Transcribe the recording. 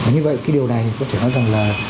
như vậy cái điều này thì có thể nói rằng là